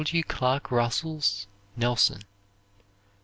W. Clark Russell's, "Nelson."